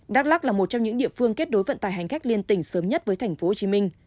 đắk lắc là một trong những địa phương kết đối vận tải hành khách liên tình sớm nhất với tp hcm